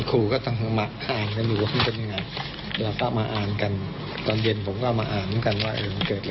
เป็นข้อมูลมาเครื่องนี้